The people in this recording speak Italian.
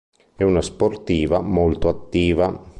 È una sportiva molto attiva.